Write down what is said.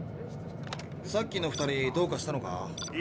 さっきの２人どうかしたのか？